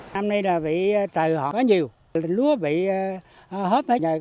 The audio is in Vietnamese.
năm nay là bị trời họng quá nhiều lúa bị hớp hết